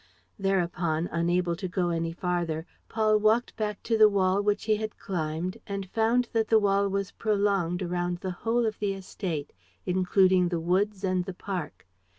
Thereupon, unable to go any farther, Paul walked back to the wall which he had climbed and found that the wall was prolonged around the whole of the estate, including the woods and the park.